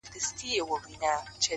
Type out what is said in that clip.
o ته یې په مسجد او درمسال کي کړې بدل ـ